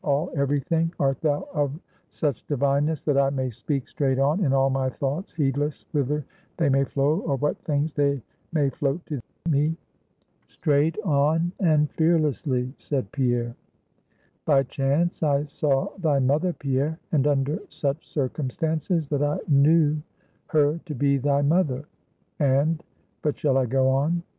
all? every thing? art thou of such divineness, that I may speak straight on, in all my thoughts, heedless whither they may flow, or what things they may float to me?" "Straight on, and fearlessly," said Pierre. "By chance I saw thy mother, Pierre, and under such circumstances that I knew her to be thy mother; and but shall I go on?"